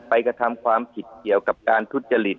กระทำความผิดเกี่ยวกับการทุจริต